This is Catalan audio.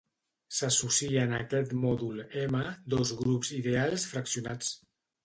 S'associen a aquest mòdul "m" dos grups d'ideals fraccionats.